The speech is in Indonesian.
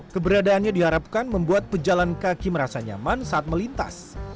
keberadaannya diharapkan membuat pejalan kaki merasa nyaman saat melintas